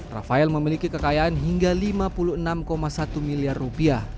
rafael memiliki kekayaan hingga lima puluh enam satu miliar rupiah